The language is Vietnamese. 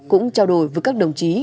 cũng trao đổi với các đồng chí